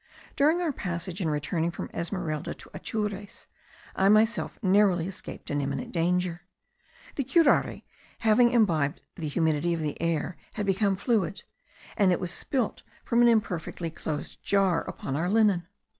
During our passage in returning from Esmeralda to Atures, I myself narrowly escaped an imminent danger. The curare, having imbibed the humidity of the air, had become fluid, and was spilt from an imperfectly closed jar upon our linen.